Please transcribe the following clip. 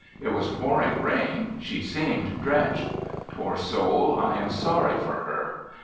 It was pouring rain; she seemed drenched. Poor soul, I am sorry for her.